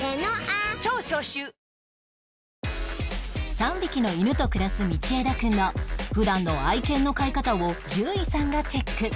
３匹の犬と暮らす道枝くんの普段の愛犬の飼い方を獣医さんがチェック